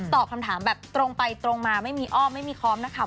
ตอบคำถามแบบตรงไปตรงมาไม่มีอ้อมไม่มีค้อมนะคะ